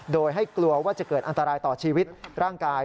โดยให้กลัวว่าจะเกิดอันตรายต่อชีวิตร่างกาย